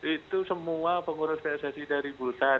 itu semua pengurus pssg dari pusat